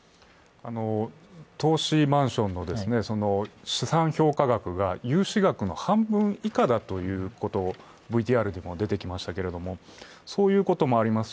投資マンションの資産評価額が融資額の半分以下だということがＶＴＲでも出てきましたが、そういうこともありますし